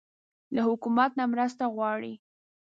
له حکومت نه مرسته غواړئ؟